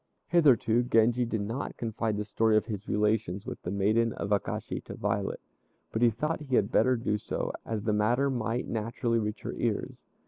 Hitherto Genji did not confide the story of his relations with the maiden of Akashi to Violet, but he thought he had better do so, as the matter might naturally reach her ears.